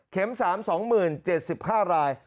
เข็มสาม๒๐๐๗๕ราย